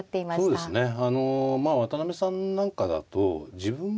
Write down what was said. そうですね。